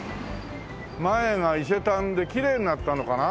前が伊勢丹できれいになったのかな？